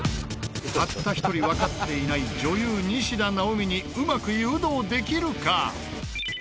たった一人わかっていない女優西田尚美にうまく誘導できるか？